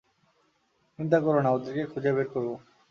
চিন্তা করো না, ওদেরকে খুঁজে বের করব।